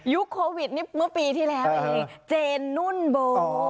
ยุคโควิดเมื่อปีที่แล้วเจนนุ่นโบ